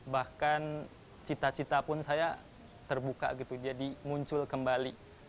bahkan cita cita pun saya terbuka gitu jadi muncul kembali